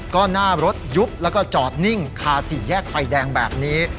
ก็หน้ารถยุบแล้วก็จอดนิ่งคาสี่แยกไฟแดงแบบนี้